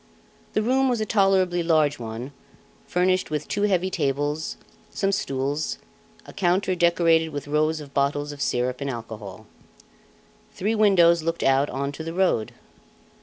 The room was a tolerably large one, furnished with two heavy tables, some stools, a counter decorated with rows of bottles of syrup and alcohol. Three windows looked out on to the road.